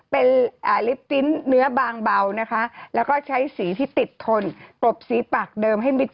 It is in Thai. เป็นลิปติ้นเนื้อบางเบานะคะแล้วก็ใช้สีที่ติดทนกรบสีปากเดิมให้มิด